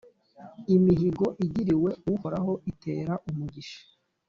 imihigo igiriwe uhoraho itera umugisha